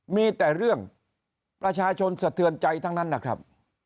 มีแต่เรื่องประชาชนสะเทือนใจทั้งนั้นนะครับ